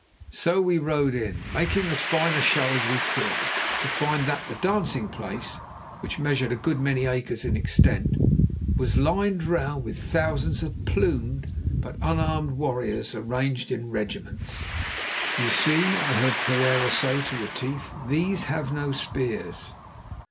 So we rode in, making as fine a show as we could, to find that the dancing place, which measured a good many acres in extent, was lined round with thousands of plumed but unarmed warriors arranged in regiments. "You see," I heard Pereira say to Retief, "these have no spears."